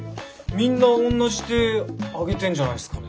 みんな同じ手上げてんじゃないんすかね。